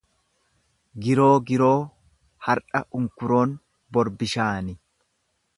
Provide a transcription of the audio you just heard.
Giroon giroo har'a unkuroon bor bishaani.